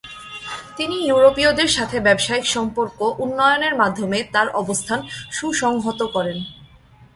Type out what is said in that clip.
তিনি ইউরোপীয়দের সাথে ব্যবসায়িক সম্পর্ক উন্নয়নের মাধ্যমে তার অবস্থান সুসংহত করেন।